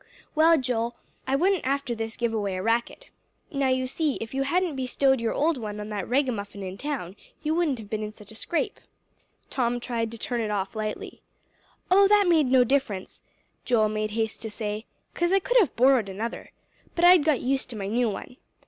"Well, Joe, I wouldn't after this give away a racket. Now you see if you hadn't bestowed your old one on that ragamuffin in town, you wouldn't have been in such a scrape." Tom tried to turn it off lightly. "Oh, that made no difference," Joel made haste to say, "'cause I could have borrowed another. But I'd got used to my new one.